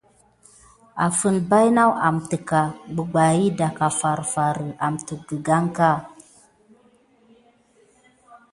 Afən baynawa amet ne ɗifta farfar kiy ɓubaha.